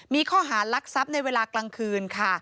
มีข้อหารักทรัพย์ในเวลากลางคืนค่ะ